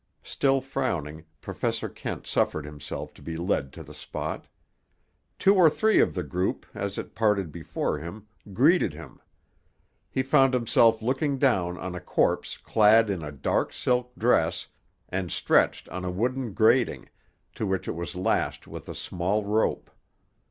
Still frowning, Professor Kent suffered himself to be led to the spot. Two or three of the group, as it parted before him, greeted him. He found himself looking down on a corpse clad in a dark silk dress and stretched on a wooden grating, to which it was lashed with a small rope.